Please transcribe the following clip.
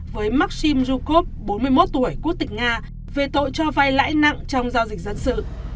với maxim zukov bốn mươi một tuổi quốc tịch nga về tội cho vay lãi nặng trong giao dịch dân sự